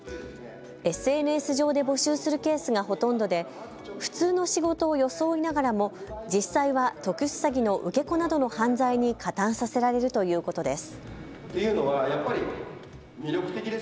ＳＮＳ上で募集するケースがほとんどで普通の仕事を装いながらも実際は特殊詐欺の受け子などの犯罪に加担させられるということです。